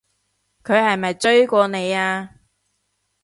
佢係咪追過你啊？